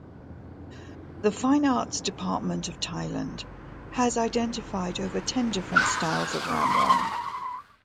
The fine arts department of Thailand has identified over ten different styles of "ramwong".